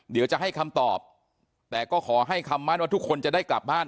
เดี๋ยวจะให้คำตอบแต่ก็ขอให้คำมั่นว่าทุกคนจะได้กลับบ้าน